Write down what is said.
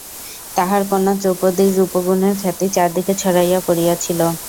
তাঁহার কন্যা দ্রৌপদীর রূপগুণের খ্যাতি চারিদিকে ছড়াইয়া পড়িয়াছিল।